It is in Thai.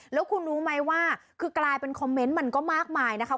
แล้วคุณรู้ไหมว่าคือกลายเป็นคอมเมนต์มันก็มากมายนะคะ